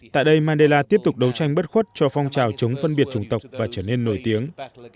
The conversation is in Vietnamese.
tại đây mandela tiếp tục đấu tranh bất khuất cho phong trào chống phân biệt chủng tộc và trở nên nổi tiếng